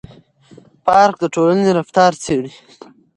پارک د ټولنې رفتار څېړي.